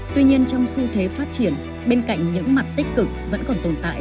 tuy nhiên trong xu thế phát triển bên cạnh những mặt tích cực vẫn còn tồn tại